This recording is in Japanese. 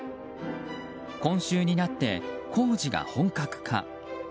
今週になって工事が本格化。